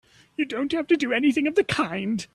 You don't have to do anything of the kind!